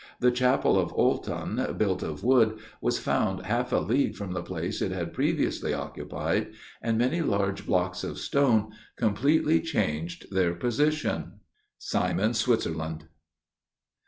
The chapel of Olton, built of wood, was found half a league from the place it had previously occupied, and many large blocks of stone completely changed their position. SIMOND'S SWITZERLAND.